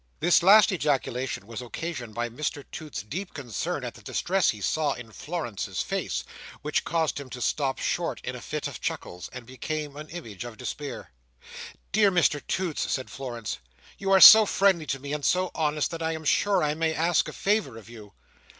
This last ejaculation was occasioned by Mr Toots's deep concern at the distress he saw in Florence's face; which caused him to stop short in a fit of chuckles, and become an image of despair. "Dear Mr Toots," said Florence, "you are so friendly to me, and so honest, that I am sure I may ask a favour of you."